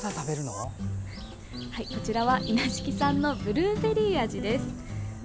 こちらは稲敷産のブルーベリー味です。